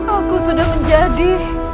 aku sudah menjadi